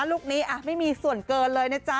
ลูกนี้ไม่มีส่วนเกินเลยนะจ๊ะ